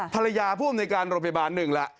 ภรรยาผู้อำนวยการโรงพยาบาล๑ละ